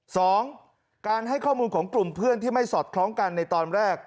สองการให้ข้อมูลของกลุ่มเพื่อนที่ไม่สอดคล้องกันในตอนแรก